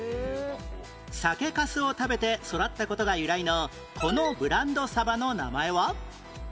酒かすを食べて育った事が由来のこのブランドサバの名前は？